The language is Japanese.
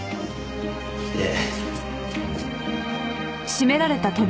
ええ。